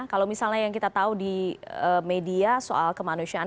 kalau misalnya yang kita tahu di media soal kemanusiaan